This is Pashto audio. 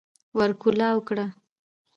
ور کولاو کړه